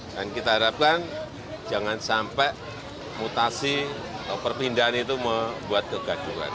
dan kita harapkan jangan sampai mutasi atau perpindahan itu membuat kegaduhan